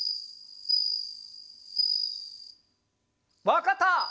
わかった！